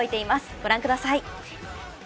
ご覧ください。